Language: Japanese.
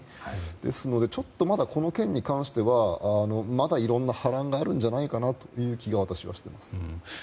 ですので、ちょっとこの件に関してはまだいろんな波乱があるという気が私はしています。